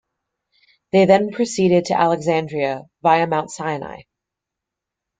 They then proceeded to Alexandria via Mount Sinai.